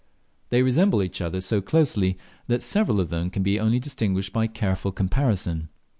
They resemble each other so closely that several of them can only be distinguished by careful comparison.